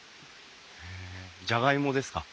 へえじゃがいもですか？